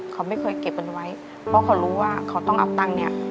เขาไม่เคยเก็บกันไว้เพราะเขารู้ว่าเขาต้องเอาตังค์เนี่ย